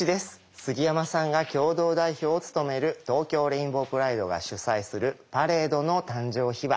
杉山さんが共同代表を務める東京レインボープライドが主催するパレードの誕生秘話。